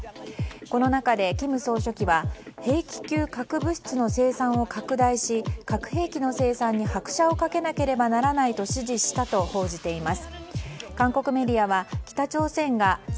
この中で金総書記は兵器級核物質の生産を拡大し核兵器の生産に拍車を掛けなければならないと指示したと報じています。